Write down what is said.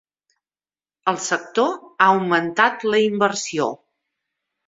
El sector ha augmentat la inversió.